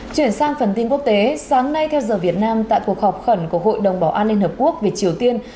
chuyển sang phần tin quốc tế sáng nay theo giờ việt nam tại cuộc họp khẩn của hội đồng bảo an liên hợp quốc về triều tiên